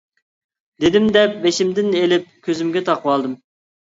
-دېدىم دەپ بېشىمدىن ئېلىپ كۆزۈمگە تاقىۋالدىم.